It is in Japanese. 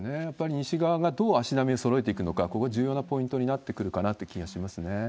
やっぱり西側がどう足並みをそろえていくのか、ここは重要なポイントになってくるかなという気がしますね。